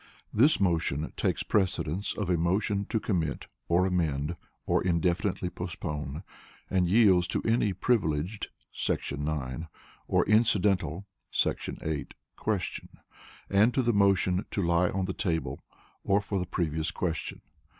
This motion takes precedence of a motion to Commit, or Amend, or Indefinitely Postpone, and yields to any Privileged [§ 9] or Incidental [§ 8] question, and to the motion to Lie on the Table, or for the Previous Question.